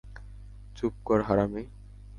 চুপ কর, হারামী!